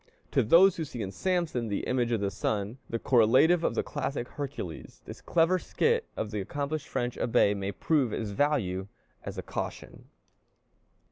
To those who see in Samson, the image of the sun, the correlative of the classic Hercules, this clever skit of the accomplished French Abbé may prove of value as a caution.